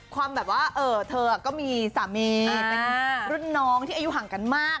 แบบว่าเธอก็มีสามีเป็นรุ่นน้องที่อายุห่างกันมาก